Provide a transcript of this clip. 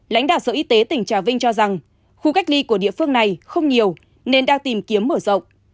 lãnh đạo sở y tế tỉnh trà vinh cho rằng khu cách ly của địa phương này không nhiều nên đang tìm kiếm mở rộng